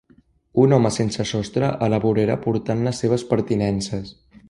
Un home sensesostre a la vorera portant les seves pertinences.